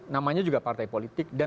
namanya juga partai politik dan